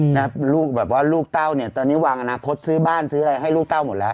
มันลูกเต้าตอนนี้วางอานะพลตซื้อบ้านซื้อให้ลูกเต้าหมดแล้ว